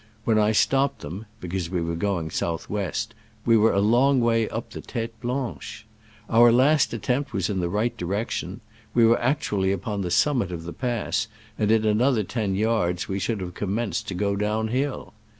When I stopped them (because we were going south west) we were a long way up the Tete Blanche ! Our last attempt was in the right direc tion : we were actually upon the summit of the pass, and in another ten yards we should have commenced to go down hill